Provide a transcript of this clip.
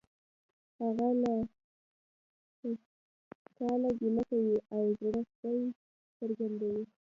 هغه له پشکاله ګیله کوي او زړه سوی څرګندوي